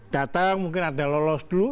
data mungkin ada lolos dulu